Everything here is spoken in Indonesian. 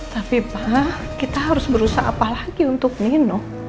tapi pak kita harus berusaha apa lagi untuk minum